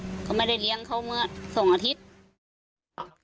ดูก็ไม่ได้เลี้ยงเขามือสงอาทิตย์